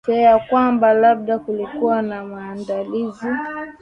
fear kwamba labda kulikuwa na maandalizi